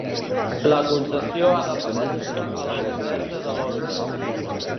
La concessió ha d'aparèixer a la Gaseta de Londres.